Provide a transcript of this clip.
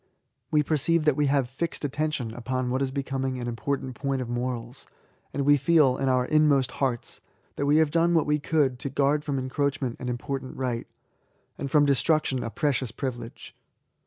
We perceive that we have fixed attention upon what is becoming an import ant point of Morals : and we feel, in our inmost hearts, that we have done what we could to guard from encroachment an important right, and from destruction a precious privilege.